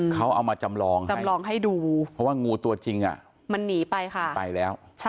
เขาเอามาจำลองให้ดูเพราะว่างูตัวจริงมันหนีไปค่ะ